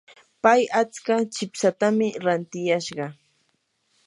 pay atska chipsatam rantiyashqa.